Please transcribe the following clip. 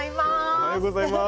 おはようございます！